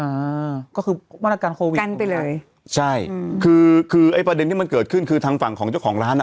อ่าก็คือมาตรการโควิดกั้นไปเลยใช่อืมคือคือไอ้ประเด็นที่มันเกิดขึ้นคือทางฝั่งของเจ้าของร้านอ่ะ